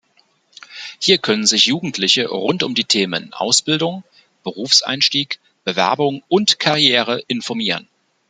Hier können sich Jugendliche rund um die Themen Ausbildung, Berufseinstieg, Bewerbung und Karriere informieren.